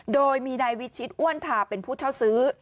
โดยมีนายวิชิตอ้วนทาเป็นผู้เช่าซื้อ